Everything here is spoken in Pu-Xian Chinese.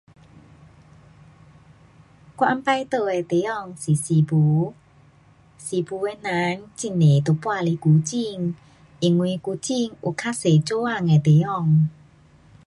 我以前住的地方是诗巫。诗巫人很多搬来古晋，因为古晋有更多做工地方